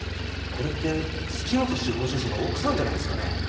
これって月本司法書士の奥さんじゃないっすかねぇ？